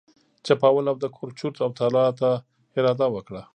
چپاول او د کور چور او تالا ته اراده وکړه.